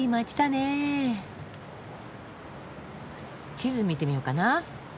地図見てみようかな。